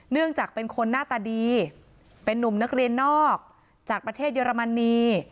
เนื่องจากเป็นคนหน้าตาดีเป็นนุ่มนักเรียนนอกจากประเทศเยอรมนี